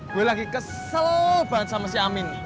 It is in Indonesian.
gue lagi kesel banget sama si amin